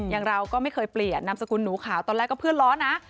อย่างเราก็ไม่เคยเปลี่ยนนามสกุลหนูขาวตอนแรกก็เพื่อนล้อนะ